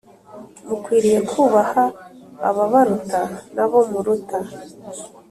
mukwiriye kubaha ababaruta nabo muruta